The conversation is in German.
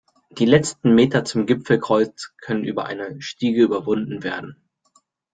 Die letzten Meter zum Gipfelkreuz können über eine Stiege überwunden werden.